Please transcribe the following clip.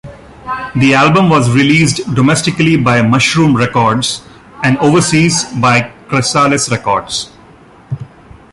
The album was released domestically by Mushroom Records, and overseas by Chrysalis Records.